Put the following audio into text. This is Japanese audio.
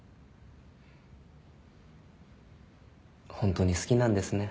ホントに好きなんですね。